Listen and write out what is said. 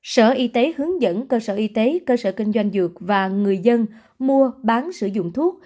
sở y tế hướng dẫn cơ sở y tế cơ sở kinh doanh dược và người dân mua bán sử dụng thuốc